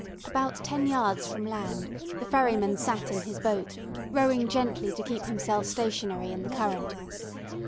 About ten yards from land the ferryman sat in his boat, rowing gently to keep himself stationary in the current.